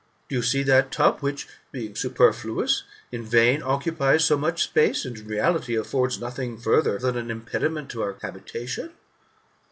Do you' see that tub which, being superfluous, in vain occupies so much space, and, in reality, affords nothing farther than an impediment to our habitation